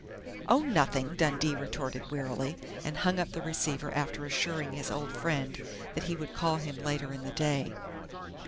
"Oh, nothing!" Dundee retorted wearily, and hung up the receiver after assuring his old friend that he would call on him later in the day.